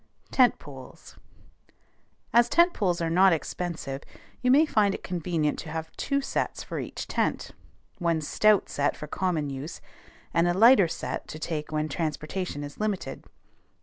TENT POLES. As tent poles are not expensive, you may find it convenient to have two sets for each tent; one stout set for common use, and a lighter set to take when transportation is limited.